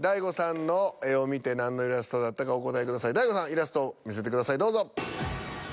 イラスト見せてくださいどうぞ。